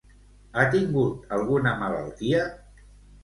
Ha tingut alguna malaltia?